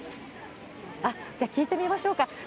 じゃあ、聞いてみましょうか。